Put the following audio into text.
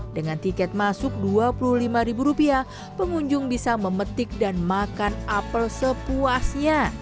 dengan tiket masuk rp dua puluh lima pengunjung bisa memetik dan makan apel sepuasnya